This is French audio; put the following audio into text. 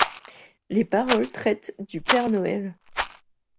Les paroles traitent du Père Noël.